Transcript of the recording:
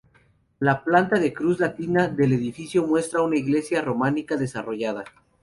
La planta de cruz latina del edificio muestra una iglesia románica desarrollada.